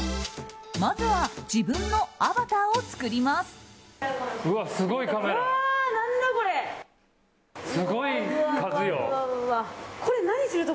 まずは自分のアバターを作ります。